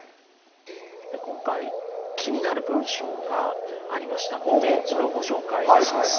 今回気になる文章がありましたのでそれをご紹介します。